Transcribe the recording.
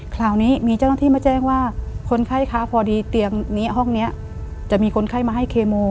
คราวนี้มีเจ้าหน้าที่มาแจ้งว่าคนไข้คะพอดีเตียงนี้ห้องนี้จะมีคนไข้มาให้เคโม